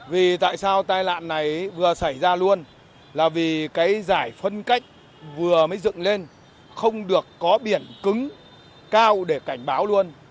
vì tại sao tai nạn này vừa xảy ra luôn là vì cái giải phân cách vừa mới dựng lên không được có biển cứng cao để cảnh báo luôn